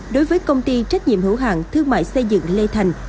đối với công ty trách nhiệm hữu hạng thương mại xây dựng lê thành